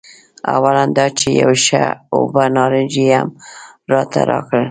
او لا دا چې یو ښه اوبه نارنج یې هم راته راکړ.